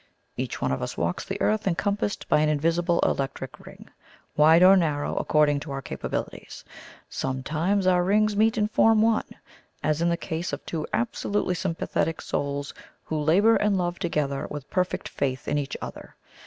(Each one of us walks the earth encompassed by an invisible electric ring wide or narrow according to our capabilities. Sometimes our rings meet and form one, as in the case of two absolutely sympathetic souls, who labour and love together with perfect faith in each other.